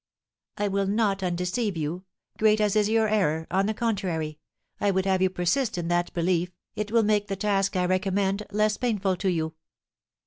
"I will not undeceive you, great as is your error; on the contrary, I would have you persist in that belief, it will make the task I recommend less painful to you."